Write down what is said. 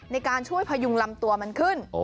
ในการช่วยพยุงลำตัวมันขึ้น